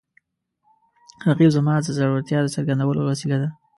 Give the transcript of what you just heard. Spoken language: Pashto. رقیب زما د زړورتیا د څرګندولو وسیله ده